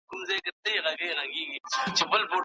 هغه د خدای ښار په نوم مشهور کتاب ولیکه.